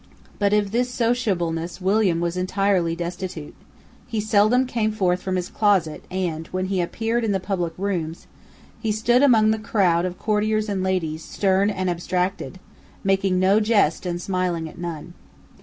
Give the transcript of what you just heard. But of this sociableness William was entirely destitute. He seldom came forth from his closet; and, when he appeared in the public rooms, he stood among the crowd of courtiers and ladies, stern and abstracted, making no jest and smiling at none.